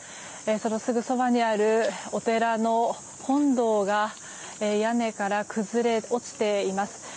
そのすぐそばにあるお寺の本堂が屋根から崩れ落ちています。